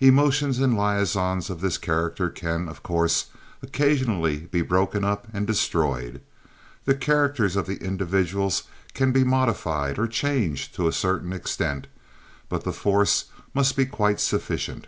Emotions and liaisons of this character can, of course, occasionally be broken up and destroyed. The characters of the individuals can be modified or changed to a certain extent, but the force must be quite sufficient.